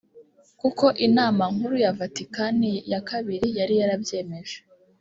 kuko inama nkuru ya Vatikani ya kabiri yari yarabyemeje